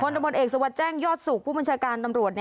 คนตำรวจเอกสวทแจ้งยอดสูกผู้บัญชาการตำรวจ